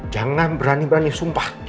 jangan berani berani sumpah